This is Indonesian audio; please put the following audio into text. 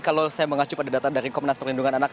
kalau saya mengacu pada data dari komnas perlindungan anak